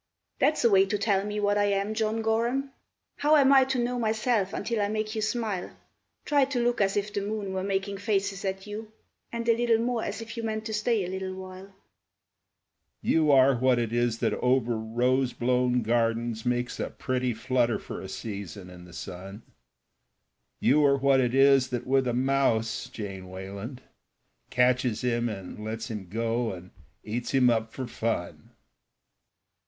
"That's a way to tell me what I am, John Gorham! How am I to know myself until I make you smile? Try to look as if the moon were making faces at you, And a little more as if you meant to stay a little while." "You are what it is that over rose blown gardens Makes a pretty flutter for a season in the sun; You are what it is that with a mouse, Jane Wayland, Catches him and lets him go and eats him up for fun."